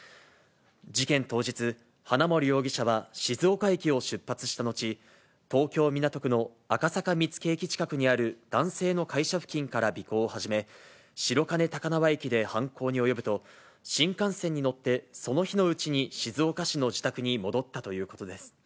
事件当日、花森容疑者は静岡駅を出発した後、東京・港区の赤坂見附駅近くにある男性の会社付近から尾行を始め、白金高輪駅で犯行に及ぶと、新幹線に乗ってその日のうちに静岡市の自宅に戻ったということです。